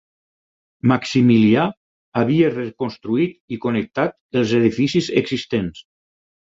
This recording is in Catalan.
Maximilià havia reconstruït i connectat els edificis existents.